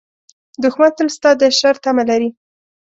دښمن تل ستا د شر تمه لري